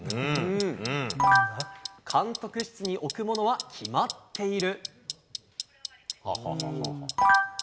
監督室に置くものは決まっている。